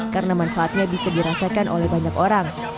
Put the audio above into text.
karena manfaatnya bisa dirasakan oleh banyak orang